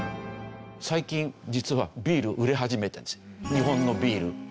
最近実はビール売れ始めてるんですよ日本のビール。